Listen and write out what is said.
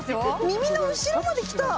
耳の後ろまできた！